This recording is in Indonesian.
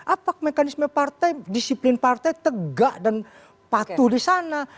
apa mekanisme partai disiplin partai tegak dan patuh di sana